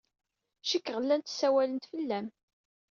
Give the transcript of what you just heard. Cikkeɣ llant ssawalent fell-am.